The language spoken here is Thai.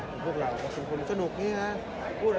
แต่พวกเราเป็นคนสนุกพูดอะไรก็ได้